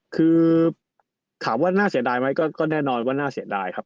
คือถามว่าน่าเสียดายไหมก็แน่นอนว่าน่าเสียดายครับ